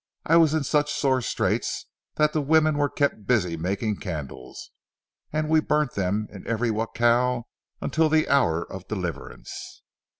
I was in such sore straits that the women were kept busy making candles, and we burnt them in every jacal until the hour of deliverance."